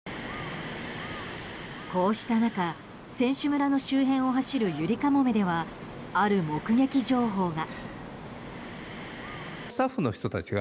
こうした中、選手村の周辺を走るゆりかもめではある目撃情報が。